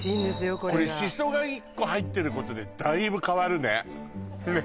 これがこれシソが１個入ってることでだいぶ変わるねねえ